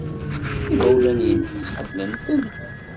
Imawlan-nnes ḥemmlen-ten.